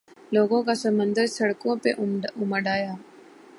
لوگوں کا سمندر سڑکوں پہ امڈآیا۔